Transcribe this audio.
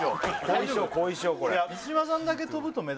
大丈夫ね？